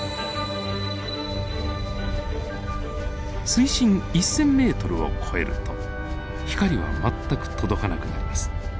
水深１，０００ｍを超えると光は全く届かなくなります。